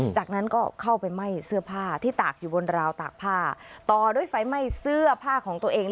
จากนั้นก็เข้าไปไหม้เสื้อผ้าที่ตากอยู่บนราวตากผ้าต่อด้วยไฟไหม้เสื้อผ้าของตัวเอง